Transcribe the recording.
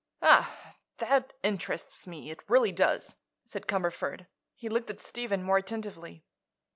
"Ah; that interests me; it really does," said Cumberford. He looked at Stephen more attentively.